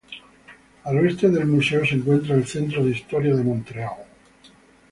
Al oeste del museo se encuentra el centro de historia de Montreal.